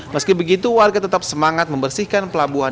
meski begitu warga tetap semangat membersihkan pelabuhan